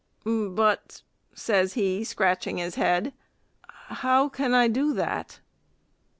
"But," says he, scratching his head, "how can I do that?"